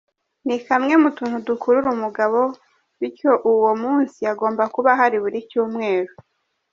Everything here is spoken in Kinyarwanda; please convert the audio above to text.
Ni kamwe mu tuntu dukurura umugabo, bityo uwo munsi agomba kuba ahari buri cyumweru.